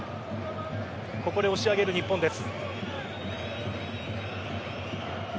ここで押し上げる日本です。